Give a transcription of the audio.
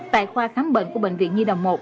tại khoa khám bệnh của bệnh viện nhi đồng một